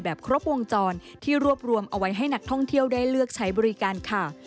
ครบวงจรที่รวบรวมเอาไว้ให้นักท่องเที่ยวได้เลือกใช้บริการค่ะ